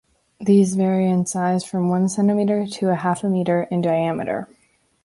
These vary in size from one centimetre to half a meter in diameter.